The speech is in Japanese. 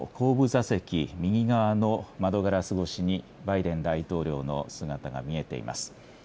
大統領専用車両の後部座席、右側の窓ガラス越しにバイデン大統領の姿が見えています。